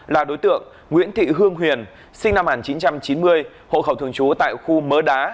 là đối tượng nguyễn thị hương huyền sinh năm một nghìn chín trăm chín mươi hộ khẩu thường trú tại khu mớ đá